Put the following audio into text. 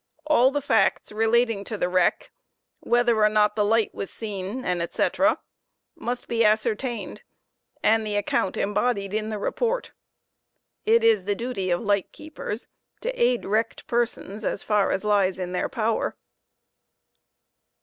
All the facts relating to the wreck (whether or not the light was seen, &c.) must be ascertained and the account embodied in the report. It is the duty of light keepers to aid wrecked persons as far as lies in their power.